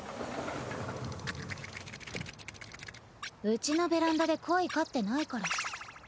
うちのベランダで鯉飼ってないから。